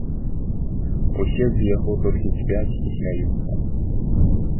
Усе з яго толькі кпяць і смяюцца.